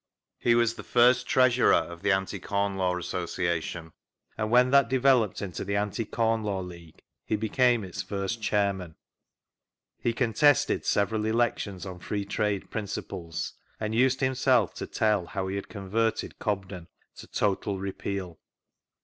He was the first Treasurer of the Anti Com Law Association, and when that developed into the Anti Corn Law League, he becamie its first Chairman. He contested several elections on Free Trade principles, and used himself to tell how he had converted Cobden to " total repeal."